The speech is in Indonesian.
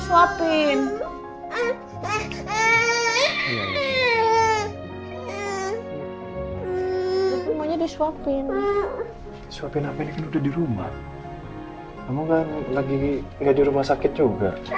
semuanya disuapin suapin suapin udah di rumah kamu kan lagi di rumah sakit juga